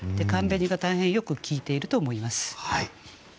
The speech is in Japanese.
「寒紅」が大変よく効いていると思います。